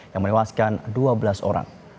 yang menewaskan dua belas orang